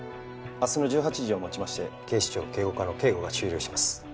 明日の１８時をもちまして警視庁警護課の警護が終了します。